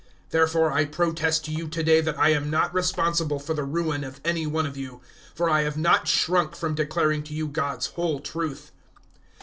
020:026 Therefore I protest to you to day that I am not responsible for the ruin of any one of you. 020:027 For I have not shrunk from declaring to you God's whole truth.